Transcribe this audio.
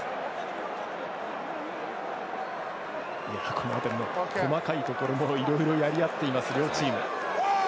この辺りの細かいところいろいろやり合っている両チーム。